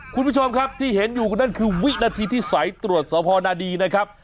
คุณผู้ชมครับที่เห็นอยู่นั่นคือวินาทีที่สายตรวจสพนาดีนะครับ